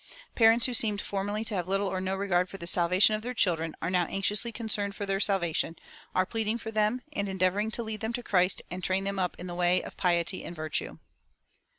Parents who seemed formerly to have little or no regard for the salvation of their children are now anxiously concerned for their salvation, are pleading for them, and endeavoring to lead them to Christ and train them up in the way of piety and virtue."